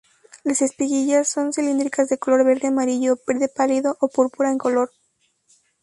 Las espiguillas son cilíndricas, de color verde amarillo, verde pálido o púrpura en color.